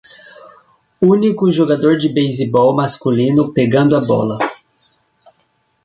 Único jogador de beisebol masculino pegando a bola